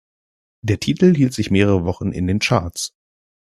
Der Titel hielt sich mehrere Wochen in den Charts.